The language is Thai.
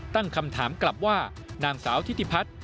ตั้งคำถามกลับว่านางสาวทิติพัฒน์